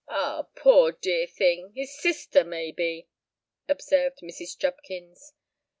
"Ah! poor dear thing—his sister, may be?" observed Mrs. Jubkins.